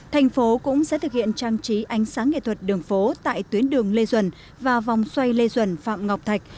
thành phố cũng sẽ thực hiện trang trí ánh sáng nghệ thuật đường phố tại tuyến đường lê duẩn và vòng xoay lê duẩn phạm ngọc thạch